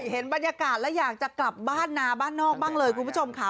เห็นบรรยากาศแล้วอยากจะกลับบ้านนาบ้านนอกบ้างเลยคุณผู้ชมค่ะ